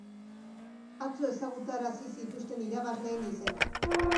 Atzo ezagutarazi zituzten irabazleen izenak.